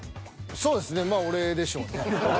そうですねまあ俺でしょうね。